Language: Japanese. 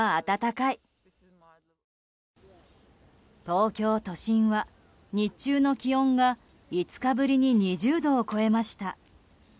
東京都心は日中の気温が５日ぶりに２０度を超えました。